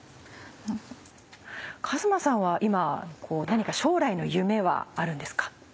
和馬さんは今何か将来の夢はあるんですか？